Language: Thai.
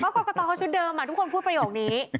กรกตเขาชุดเดิมทุกคนพูดประโยคนี้